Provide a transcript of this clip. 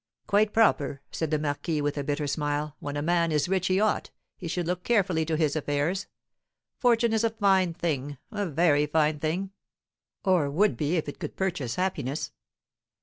"Quite proper," said the marquis, with a bitter smile; "when a man is rich he ought, he should look carefully to his affairs. Fortune is a fine thing, a very fine thing; or would be if it could but purchase happiness."